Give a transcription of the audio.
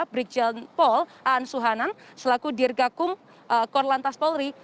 brig jalan pol aan suhanan selaku dirgakum kor lantas polri